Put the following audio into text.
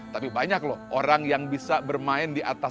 tapi banyak loh orang yang bisa bermain dengan orang lain